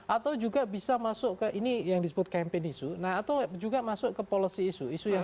atau juga bisa masuk ke ini yang disebut campaign isu atau juga masuk ke policy isu isu yang